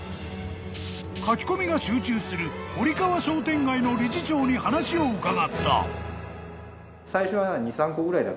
［書き込みが集中する堀川商店街の理事長に話を伺った］